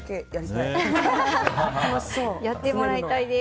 やってもらいたいです。